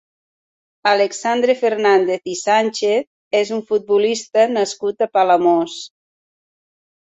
Alexandre Fernàndez i Sànchez és un futbolista nascut a Palamós.